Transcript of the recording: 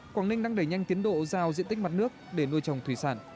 quảng ninh đang đẩy nhanh tiến độ giao diện tích mặt nước để nuôi trồng thủy sản